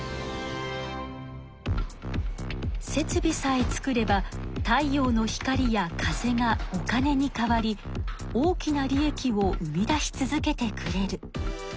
設備さえ作れば太陽の光や風がお金に変わり大きな利益を生み出し続けてくれる。